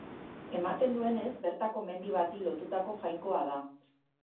Ematen duenez bertako mendi bati lotutako jainkoa da.